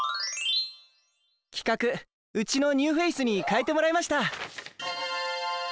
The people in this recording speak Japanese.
企画「ウチのニューフェイス」に変えてもらいました。